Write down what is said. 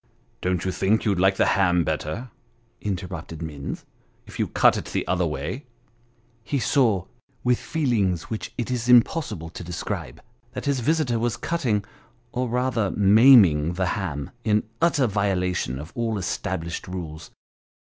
"Don't you think you'd like the ham better," interrupted Minns. " if you cut it the other way ?" He saw, with feelings which it is impossible to describe that his visitor was cutting or rather maiming the ham, in utter violation of all established rules.